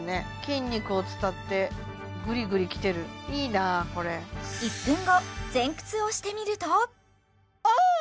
筋肉を伝ってグリグリきてるいいなこれ１分後前屈をしてみるとああ！